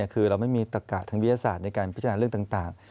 คือเราไม่มีตะกะทางวิทยาศาสตร์ในการพิจารณาเรื่องต่าง